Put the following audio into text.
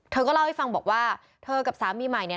เธอก็เล่าให้ฟังบอกว่าเธอกับสามีใหม่เนี่ย